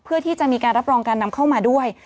เพื่อที่จะมีการรับรองการนำเข้ามาด้วย